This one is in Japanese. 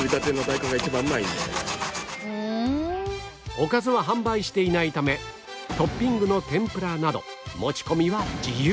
おかずは販売していないためトッピングの天ぷらなど持ち込みは自由